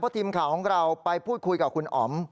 ทีมข่าวของเราไปพูดคุยกับคุณอ๋อม